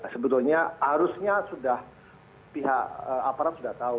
sebetulnya harusnya sudah pihak aparat sudah tahu